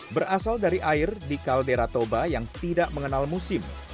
berasal dari air di kaldera toba yang tidak mengenal musim